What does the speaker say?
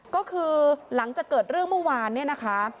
ก็คือหลังจากเกิดเรื่องเมื่อวานเนี่ยนะคะ